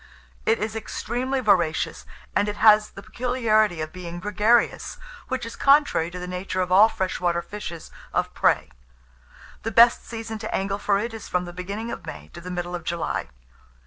It is extremely voracious, and it has the peculiarity of being gregarious, which is contrary to the nature of all fresh water fishes of prey. The best season to angle for it is from the beginning of May to the middle of July.